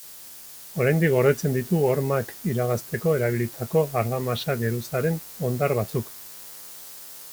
Oraindik gordetzen ditu hormak iragazteko erabilitako argamasa-geruzaren hondar batzuk.